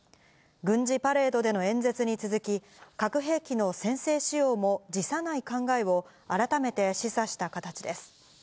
軍事パレードでの演説に続き、核兵器の先制使用も辞さない考えを改めて示唆した形です。